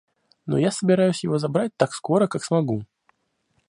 Но я собираюсь его забрать так скоро, как смогу.